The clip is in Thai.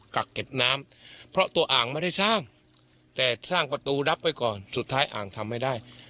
กักเก็บน้ำเพราะตัวอ่างไม่ได้สร้างแต่สร้างประตูรับไว้ก่อนสุดท้ายอ่างทำไม่ได้